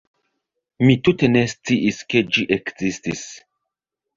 Mi tute ne sciis ke ĝi ekzistis.